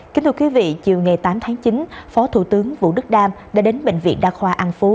kính thưa quý vị chiều ngày tám tháng chín phó thủ tướng vũ đức đam đã đến bệnh viện đa khoa an phú